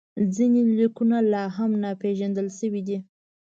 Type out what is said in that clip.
ځینې لیکونه لا هم ناپېژندل شوي دي.